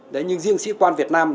đấy nhưng riêng sĩ quan việt nam